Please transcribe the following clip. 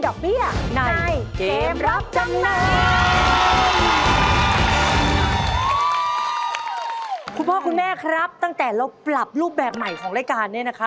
คุณพ่อคุณแม่ครับตั้งแต่เราปรับรูปแบบใหม่ของรายการเนี่ยนะคะ